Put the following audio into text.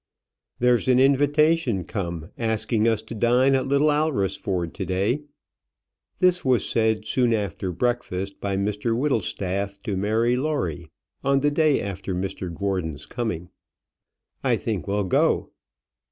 "There's an invitation come, asking us to dine at Little Alresford to day." This was said, soon after breakfast, by Mr Whittlestaff to Mary Lawrie, on the day after Mr Gordon's coming. "I think we'll go."